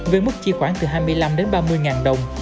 với mức chi khoảng từ hai mươi năm đến ba mươi ngàn đồng